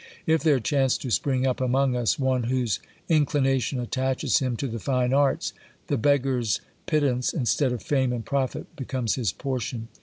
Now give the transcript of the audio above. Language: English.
If there chance to spring up among us one whose in clination attaches him to the fine arts, the beggar's pit tance, instead of fame and profit, becomes his portion.